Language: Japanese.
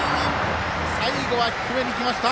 最後は低めにきました。